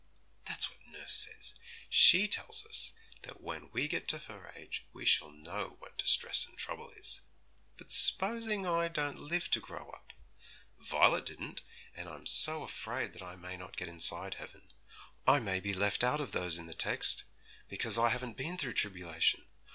'That's what nurse says; she tells us when we get to her age we shall know what distress and trouble is. But s'posing if I don't live to grow up? Violet didn't, and I'm so afraid I may not get inside heaven. I may be left out of those in the text, because I haven't been through tribulation.